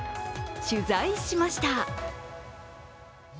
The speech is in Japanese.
取材しました。